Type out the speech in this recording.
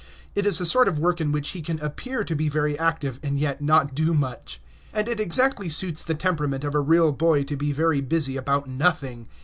It is a sort of work in which he can appear to be very active, and yet not do much. And it exactly suits the temperament of a real boy to be very busy about nothing.